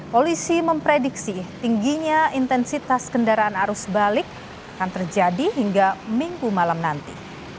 polisi memprediksi tingginya intensitas kendaraan arus balik akan terjadi hingga minggu malam nanti